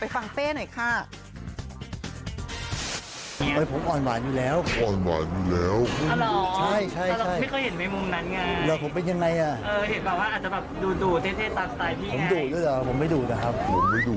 เขาอยู่อันนี้เรียกเขามาถาม